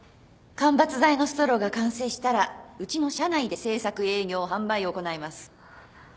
間伐材のストローが完成したらうちの社内で製作営業販売を行います。